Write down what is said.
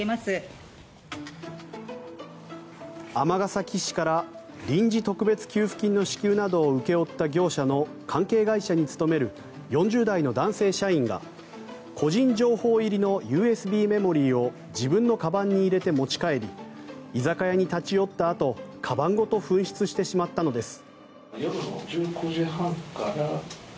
尼崎市から臨時特別給付金の支給などを請け負った業者の関係会社に勤める４０代の男性社員が個人情報入りのＵＳＢメモリーを自分のかばんに入れて持ち帰り居酒屋に立ち寄ったあとかばんごと紛失してしまったのです。